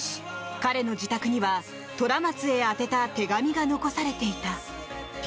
彼の自宅には虎松へ宛てた手紙が残されていた。